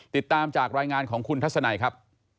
ติดตามจากรายงานของคุณทัศนัยครับ